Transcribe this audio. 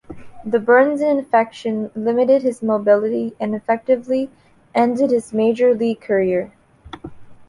The burns and infection limited his mobility and effectively ended his major league career.